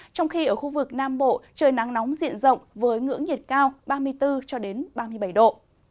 trong khi ở khu vực nam bộ trời nắng nóng diện rộng với ngưỡng nhiệt cao ba mươi bốn cho đến ba mươi bảy độ